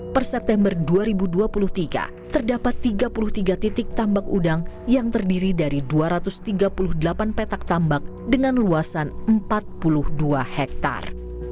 per september dua ribu dua puluh tiga terdapat tiga puluh tiga titik tambak udang yang terdiri dari dua ratus tiga puluh delapan petak tambak dengan luasan empat puluh dua hektare